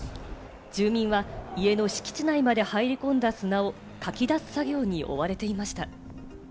住民は家の敷地内まで入り込んだ砂をかき出す作業に追われていました。